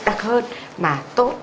đặc hơn mà tốt